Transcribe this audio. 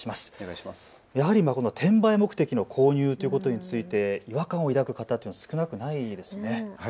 やはりこの転売目的の購入ということについて違和感を抱く方も少なくないですね。